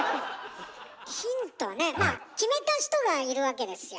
ヒントねまあ決めた人がいるわけですよ。